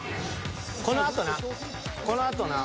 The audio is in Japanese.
［このあとなこのあとな］